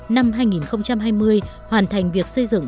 năm hai nghìn hai mươi hoàn thành việc xây dựng